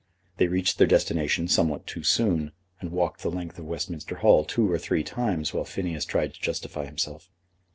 They reached their destination somewhat too soon, and walked the length of Westminster Hall two or three times while Phineas tried to justify himself.